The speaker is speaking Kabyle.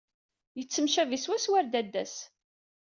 Yettemcabi swaswa ɣer dadda-s.